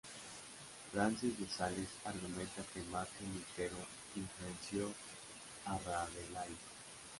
Francis de Sales, argumenta que Martín Lutero influenció a Rabelais.